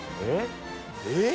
「えっ？」